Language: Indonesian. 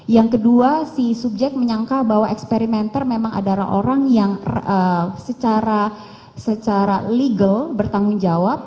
yang kedua si subjek menyangka bahwa eksperimenter memang adalah orang yang secara legal bertanggung jawab